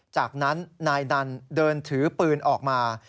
จากนั้นนายนันเดินถือปืนออกมา